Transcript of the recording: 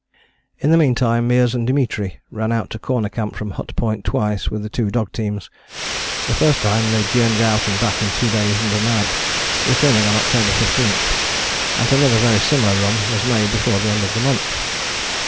" In the meantime Meares and Dimitri ran out to Corner Camp from Hut Point twice with the two dog teams. The first time they journeyed out and back in two days and a night, returning on October 15; and another very similar run was made before the end of the month.